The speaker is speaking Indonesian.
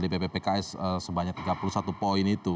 dpp pks sebanyak tiga puluh satu poin itu